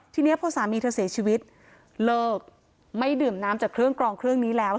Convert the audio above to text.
ทีนี้พอสามีเธอเสียชีวิตเลิกไม่ดื่มน้ำจากเครื่องกรองเครื่องนี้แล้ว